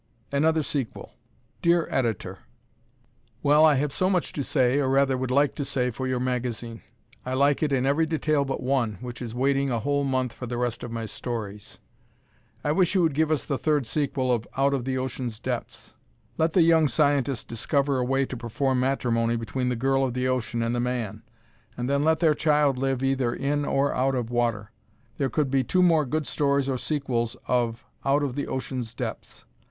Another Sequel Dear Editor: Well, I have so much to say, or rather would like to say for your magazine. I like it in every detail but one, which is waiting a whole month for the rest of my stories. I wish you would give us the third sequel of "Out of the Ocean's Depths." Let the young scientist discover a way to perform matrimony between the girl of the ocean and the man, and then let their child live either in or out of water. There could be two more good stories or sequels of "Out of the Ocean's Depths."